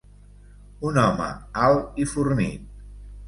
Un home alt i fornit.